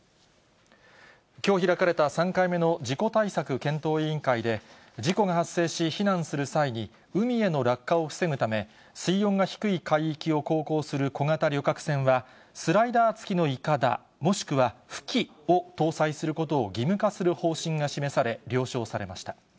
きょう開かれた３回目の事故対策検討委員会で、事故が発生し避難する際に、海への落下を防ぐため、水温が低い海域を航行する小型旅客船は、スライダー付きのいかだ、もしくは浮器を搭載することを義務化する方針が示され、了承されました。